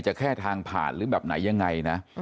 แค่ทางผ่านหรือแบบไหนยังไงนะ